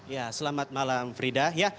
ya selamat malam frida